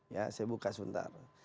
ya saya buka sebentar